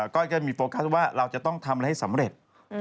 ก้อยก็มีโฟกัสว่าเราจะต้องทำอะไรให้สำเร็จ